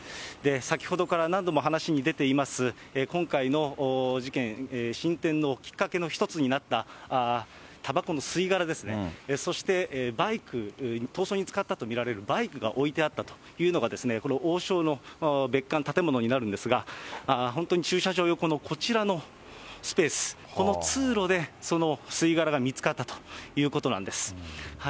先ほどから何度も話に出ています、今回の事件、進展のきっかけの一つになった、たばこの吸い殻ですね、そしてバイク、逃走に使ったと見られるバイクが置いてあったというのが、この王将の別館、建物になるんですが、本当に駐車場横のこちらのスペース、この通路でその吸い殻が見つかったということなんです。